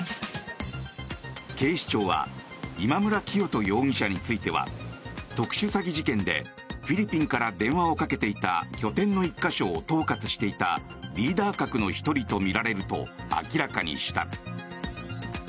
警視庁は今村磨人容疑者については特殊詐欺事件でフィリピンから電話をかけていた拠点の１か所を統括していたリーダー格の１人とみられると明らかにした。